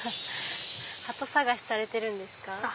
鳩探しされてるんですか？